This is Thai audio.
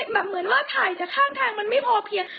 เหมือนว่าถ่ายจากข้างทางมันไม่พอเพียง